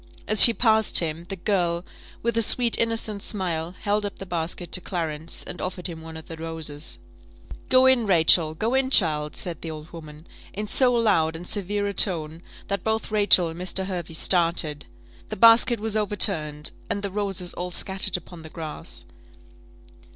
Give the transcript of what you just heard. As she passed him, the girl, with a sweet innocent smile, held up the basket to Clarence, and offered him one of the roses. "Go in, Rachel! go in, child," said the old woman, in so loud and severe a tone, that both Rachel and Mr. Hervey started; the basket was overturned, and the roses all scattered upon the grass.